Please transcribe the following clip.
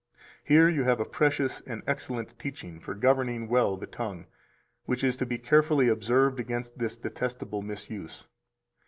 Here you have a precious and excellent teaching for governing well the tongue, which is to be carefully observed against this detestable misuse.